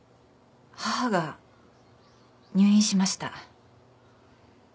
母が入院しました。